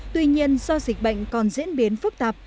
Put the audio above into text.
tuy nhiên do dịch bệnh còn diễn biến phức tạp